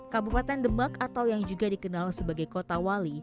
kabupaten demak atau yang juga dikenal sebagai kota wali